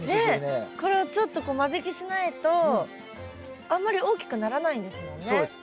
これをちょっと間引きしないとあんまり大きくならないんですもんね。